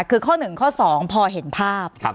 คือข้อ๑ข้อ๒พอเห็นภาพ